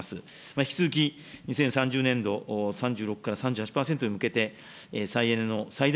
引き続き、２０３０年度、３６から３８％に向けて、再エネの最大